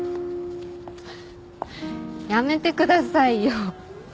やめてくださいよ。